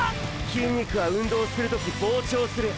筋肉は運動する時膨張する。